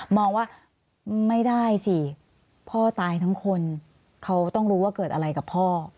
มองว่าไม่ได้สิพ่อตายทั้งคนเขาต้องรู้ว่าเกิดอะไรกับพ่อ